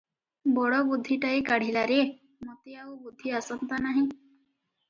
ବଡ଼ ବୁଦ୍ଧିଟାଏ କାଢ଼ିଲା ରେ! ମତେ ଆଉ ବୁଦ୍ଧି ଆସନ୍ତା ନାହିଁ ।